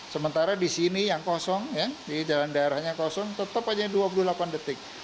sementara di sini yang kosong ini jalan daerahnya kosong tetap aja dua puluh delapan detik